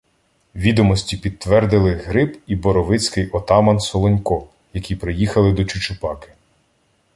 Відомості підтвердили Гриб і боровицький отаман Солонько, які приїхали до Чучупаки.